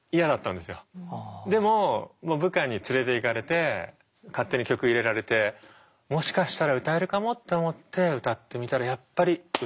でも部下に連れていかれて勝手に曲入れられてもしかしたら歌えるかもと思って歌ってみたらやっぱり歌えなかったって。